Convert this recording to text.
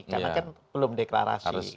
karena kan belum deklarasi